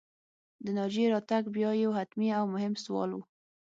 د ناجيې راتګ بیا یو حتمي او مهم سوال و